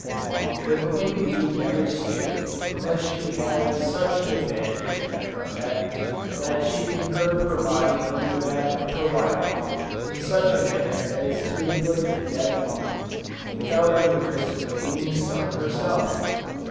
The queen bee never stings unless she has such an advantage in the combat, that she can curve her body under that of her rival, in such a manner as to inflict a deadly wound, without any risk of being stung herself!